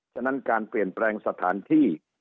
ฉะนั้นการเปลี่ยนแปลงสถานที่